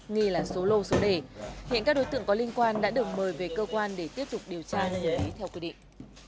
nghi là số lô số đề hiện các đối tượng có liên quan đã được mời về cơ quan để tiếp tục điều tra xử lý theo quy định